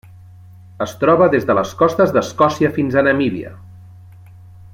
Es troba des de les costes d'Escòcia fins a Namíbia.